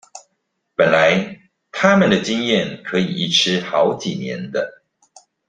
本來他們的經驗可以一吃好幾年的